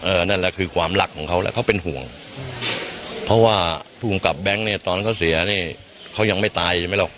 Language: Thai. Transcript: นั่นแหละคือความรักของเขาแล้วเขาเป็นห่วงเพราะว่าภูมิกับแบงค์เนี่ยตอนเขาเสียเนี่ยเขายังไม่ตายใช่ไหมหรอก